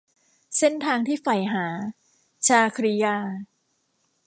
เส้นทางที่ใฝ่หา - ชาครียา